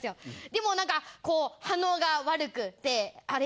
でも何かこう反応が悪くってあれ？